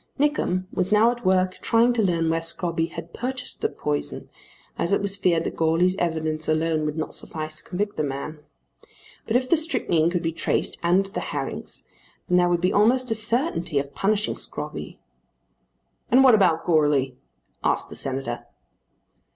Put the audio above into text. Nickem was now at work trying to learn where Scrobby had purchased the poison, as it was feared that Goarly's evidence alone would not suffice to convict the man. But if the strychnine could be traced and the herrings, then there would be almost a certainty of punishing Scrobby. "And what about Goarly?" asked the Senator.